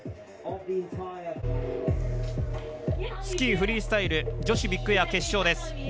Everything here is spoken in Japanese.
スキー・フリースタイル女子ビッグエア決勝です。